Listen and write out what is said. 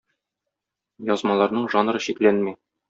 Язмаларның жанры чикләнми.